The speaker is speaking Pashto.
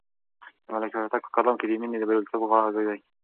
د ملکیار هوتک په کلام کې د مینې د بریالیتوب غږ دی.